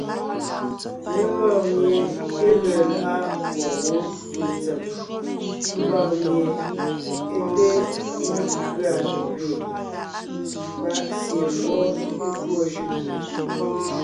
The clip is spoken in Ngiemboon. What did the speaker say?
Mé gɔɔn mie é ge lá’a gwɔ̂ wó fʉʼ ntsèm, ńgɔɔn mie é te mekʉ̀a gẅeen, pa’ sie ngwɔ́ é tûɔ jʉ’.